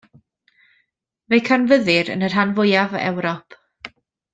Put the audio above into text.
Fe'i canfyddir yn y rhan fwyaf o Ewrop.